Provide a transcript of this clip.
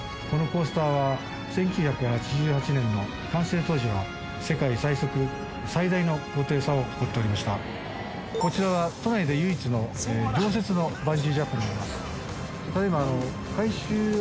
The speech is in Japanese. このコースターは１９８８年の完成当時は世界最速最大の高低差を誇っておりましたこちらは都内で唯一の常設のバンジージャンプになります